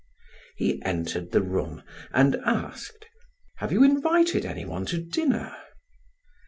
He entered the room and asked: "Have you invited anyone to dinner?"